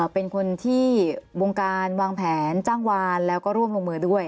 เป็นคนที่วงการวางแผนจ้างวานแล้วก็ร่วมลงมือด้วย